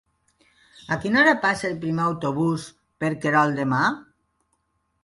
A quina hora passa el primer autobús per Querol demà?